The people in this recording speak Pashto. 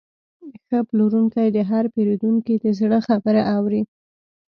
ښه پلورونکی د هر پیرودونکي د زړه خبره اوري.